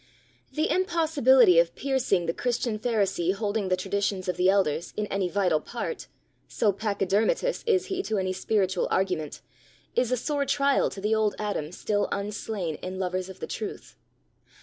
The impossibility of piercing the Christian pharisee holding the traditions of the elders, in any vital part so pachydermatous is he to any spiritual argument is a sore trial to the old Adam still unslain in lovers of the truth.